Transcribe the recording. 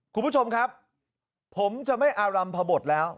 คุณผู้ชมครับผมจะไม่อารัมพบทแล้ว